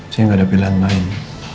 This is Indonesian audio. saya nggak ada pilihan lain